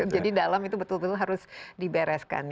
jadi dalam itu betul betul harus dibereskan